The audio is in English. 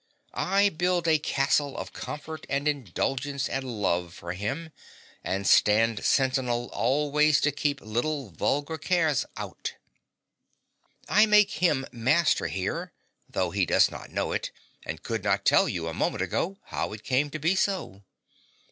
I build a castle of comfort and indulgence and love for him, and stand sentinel always to keep little vulgar cares out. I make him master here, though he does not know it, and could not tell you a moment ago how it came to be so.